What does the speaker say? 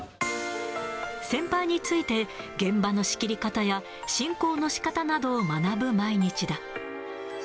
先輩について、現場の仕切り方や、進行のしかたなどを学ぶ毎日だ。